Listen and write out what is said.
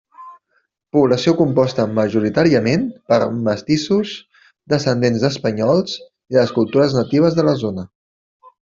Població composta majoritàriament per mestissos, descendents d'espanyols i de les cultures natives de la zona.